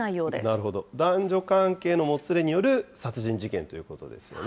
なるほど、男女関係のもつれによる殺人事件ということですよね。